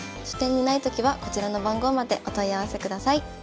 書店にないときはこちらの番号までお問い合わせください。